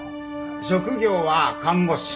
職業は看護師。